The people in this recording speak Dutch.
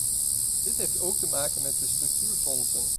Dit heeft ook te maken met de structuurfondsen.